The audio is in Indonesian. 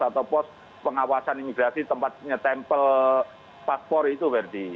atau pos pengawasan imigrasi tempatnya tempel paspor itu verdi